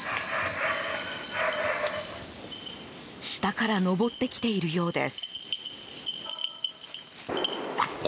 下から上ってきているようです。